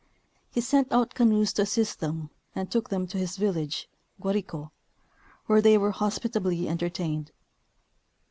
He sent out canoes to assist them and took them to his village, Guarico. where they were hospitably enter tained.